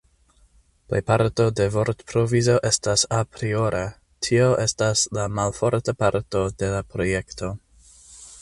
Plejparto de vortprovizo estas apriora, tio estas la malforta parto de la projekto.